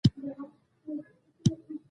په دې صورت کې توپیرول بې معنا کېږي.